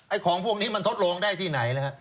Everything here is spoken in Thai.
ของพวกนี้มันทดลองได้ที่ไหนนะฮะ